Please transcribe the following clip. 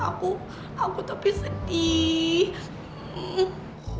aku aku tapi sedih